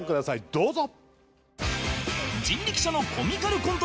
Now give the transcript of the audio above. どうぞ！